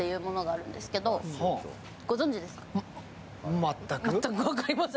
全く分かりません。